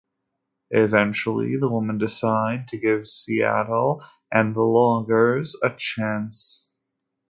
Eventually, the women decide to give Seattle and the loggers a chance.